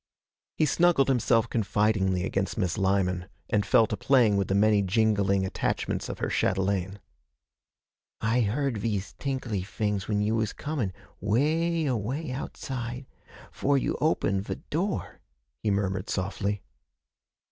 He snuggled himself confidingly against Miss Lyman, and fell to playing with the many jingling attachments of her chatelaine. 'I heard vese tinkly fings when you was comin' 'w a y a w a y outside, 'fore you o pened ve door,' he murmured softly.